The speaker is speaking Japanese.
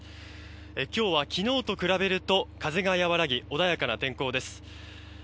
今日は昨日と比べると風が和らぎ穏やかな天候です。